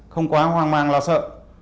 không quá hoang mang lo sợ